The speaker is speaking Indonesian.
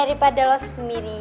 cuma apaan suku abis sih